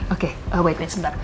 oke wait wait sebentar